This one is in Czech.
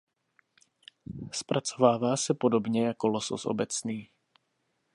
Zpracovává se podobně jako losos obecný.